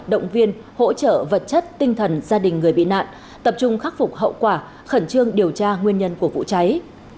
động viên hỗ trợ vật chất tinh thần gia đình người bị nạn tập trung khắc phục hậu quả khẩn trương điều tra nguyên nhân của vụ cháy